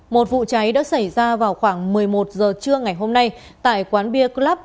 một vụ cháy đã xảy ra vào khoảng một mươi một h trưa ngày hôm nay tại quán bia club